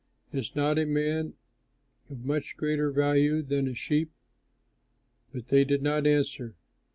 Is not a man of much greater value than a sheep?" But they did not answer.